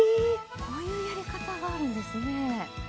こういうやり方があるんですね。